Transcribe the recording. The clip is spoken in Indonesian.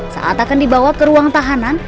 saat akan dibawa ke ruang tahanan